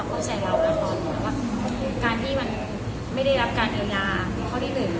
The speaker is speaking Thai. เข้าใจเราตอนนี้ว่าการที่มันไม่ได้รับการเยียวยาข้อที่หนึ่ง